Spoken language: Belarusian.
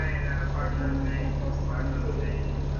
Хто думае пра простых людзей?